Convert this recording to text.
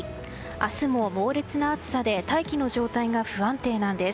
明日も猛烈な暑さで大気の状態が不安定なんです。